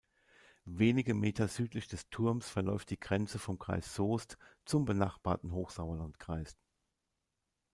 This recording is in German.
Wenige Meter südlich des Turms verläuft die Grenze vom Kreis Soest zum benachbarten Hochsauerlandkreis.